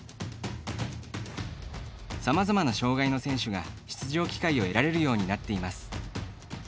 さまざまな障がいの選手が出場機会を得られるようになっています。